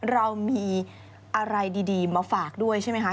เรามีอะไรดีมาฝากด้วยใช่ไหมคะ